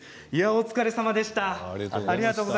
お疲れさまでした。